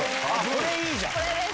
これいいじゃん！